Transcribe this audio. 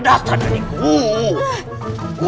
namaskan kulitku seamsaya biru